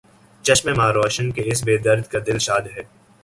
چشمِ ما روشن، کہ اس بے درد کا دل شاد ہے